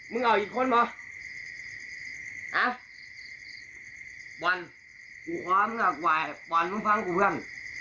มึงเอาอีกคนเหรอฮะบอลกูขอมึงเอากูไหวบอลมึงฟังกูเพื่อน